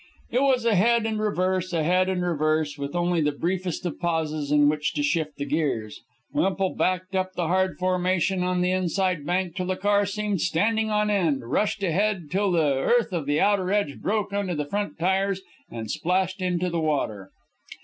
It was ahead and reverse, ahead and reverse, with only the briefest of pauses in which to shift the gears. Wemple backed up the hard formation on the inside bank till the car seemed standing on end, rushed ahead till the earth of the outer edge broke under the front tires and splashed in the water.